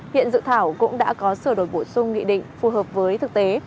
hiện dự thảo cũng đã có sửa đổi bổ sung nghị định phù hợp với thực tế